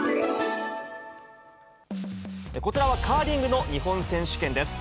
こちらはカーリングの日本選手権です。